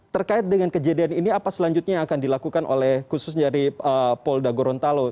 terkait dengan kejadian ini apa selanjutnya yang akan dilakukan oleh khususnya dari polda gorontalo